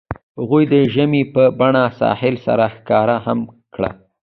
هغوی د ژمنې په بڼه ساحل سره ښکاره هم کړه.